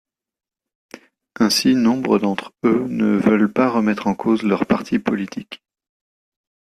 Ainsi, nombre d’entre eux ne veulent pas remettre en cause leur parti politique.